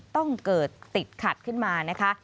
ต้องเกิดติดขัดขึ้นมานะคะ